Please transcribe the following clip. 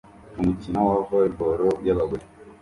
umukino wa volley ball y'abagore